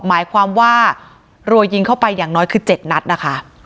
หมายความว่ารัวยิงเข้าไปอย่างน้อยคือ๗นัดนะคะ